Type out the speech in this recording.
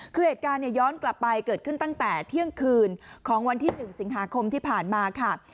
คือเหตุการณ์ย้อนกลับไปเกิดขึ้นตั้งแต่เที่ยงคืนของวันที่๑สิงหาคมที่ผ่านมาค่ะ